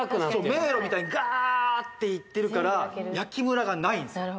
迷路みたいにガーッていってるから焼きムラがないんすよ